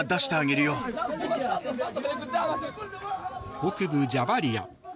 北部ジャバリア。